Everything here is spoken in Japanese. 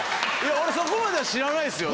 俺そこまでは知らないっすよ。